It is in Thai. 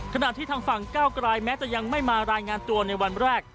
ขณะที่ทางฝั่งก้าวกลายแม้จะยังไม่มารายงานตัวในวันแรก